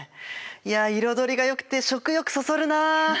いや彩りがよくて食欲そそるなあ。